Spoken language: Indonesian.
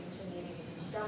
apakah sudah diselesaikan